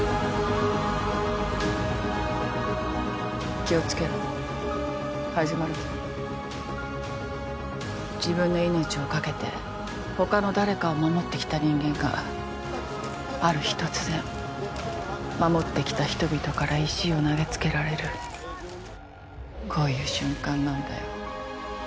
気をつけろ始まるぞ自分の命をかけて他の誰かを守ってきた人間がある日突然守ってきた人々から石を投げつけられるこういう瞬間なんだよ